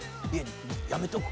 やめとくか？」